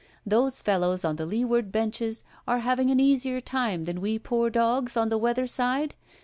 Those fellows on the leeward benches are having an easier time than we poor dogs on the weather side?